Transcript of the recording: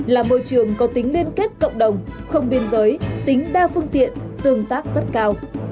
là môi trường có tính liên kết cộng đồng không biên giới tính đa phương tiện tương tác rất cao